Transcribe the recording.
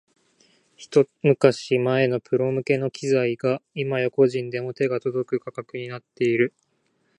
ひと昔前のプロ向けの機材が今や個人でも手が届く価格になっている